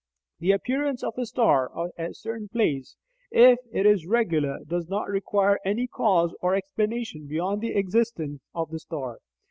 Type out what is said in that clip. The appearance of a star at a certain place, if it is regular, does not require any cause or explanation beyond the existence of the star.